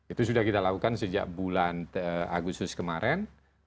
itu sudah kita lakukan sejak bulan agustus kemarin